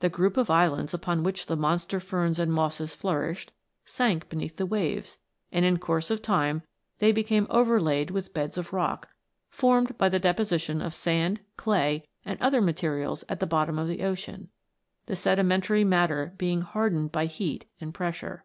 The group of islands upon which the monster ferns and mosses flourished, sank beneath the waves, and in course of time they became overlaid with beds of rock, formed by the deposition of sand, clay, and other materials at the bottom of the ocean, the sedimentary matter being hardened by heat and pressure.